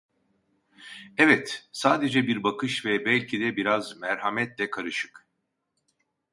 Evet, sadece bir bakış ve belki de biraz merhametle karışık…